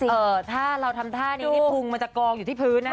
เอ่อถ้าเราทำท่านี้นี่พุงมันจะกองอยู่ที่พื้นนะ